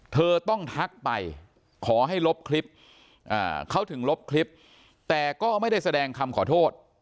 เธอต้องทักไปขอให้ลบคลิปเขาถึงลบคลิปแต่ก็ไม่ได้แสดงคำขอโทษ